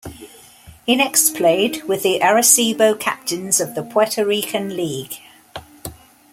He next played with the Arecibo Captains of the Puerto Rican League.